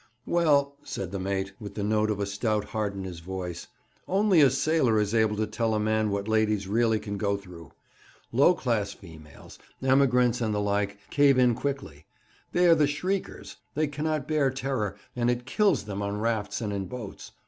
'Well,' said the mate, with the note of a stout heart in his voice, 'only a sailor is able to tell a man what ladies really can go through. Low class females, emigrants and the like, cave in quickly; they are the shriekers. They cannot bear terror, and it kills them on rafts and in boats.